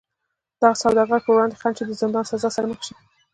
د دغو سوداګرو پر وړاندې خنډ شي د زندان سزا سره مخ شي.